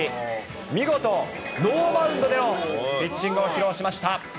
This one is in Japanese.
見事、ノーバウンドでのピッチングを披露しました。